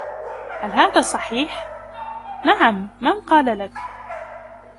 " هل هذا صحيح ؟"" نعم ، من قال لك ؟"